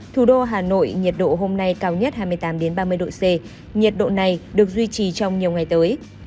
thủ đô hà nội nhiệt độ hôm nay cao nhất hai mươi tám ba mươi độ c nhiệt độ này được duy trì trong nhiều ngày tới